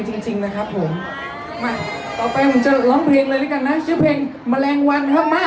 ตามฉันเป็นได้แค่ที่พักใจไม่มีติดช่วยเธอในการตัดสินจำ